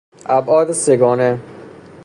ابعاد سه گانه